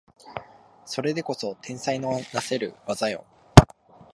それでこそ天才のなせる技よ